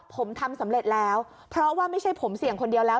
ผมทำสำเร็จแล้วเพราะว่าไม่ใช่ผมเสี่ยงคนเดียวแล้ว